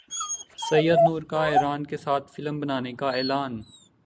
سید نور کا ایران کے ساتھ فلم بنانے کا اعلان